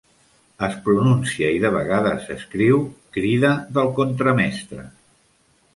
Es pronuncia, i de vegades s'escriu, "crida del contramestre".